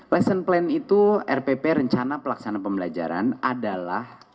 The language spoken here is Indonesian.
lesson plan itu rpp rencana pelaksanaan pembelajaran adalah